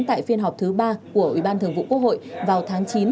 tại phiên họp thứ ba của ủy ban thường vụ quốc hội vào tháng chín